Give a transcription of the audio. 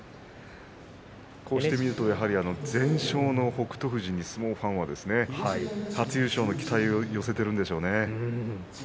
こうして見ると全勝の北勝富士に相撲ファンは初優勝の期待を寄せているんでしょうね。